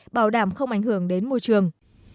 bảo đảm không ảnh hưởng đến môi trường